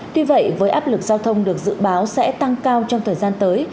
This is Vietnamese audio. tuy vậy với áp lực giao thông được dự báo sẽ tăng cao trong thời gian tới